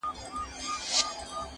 کرښه د باندي ایستلې چا ده!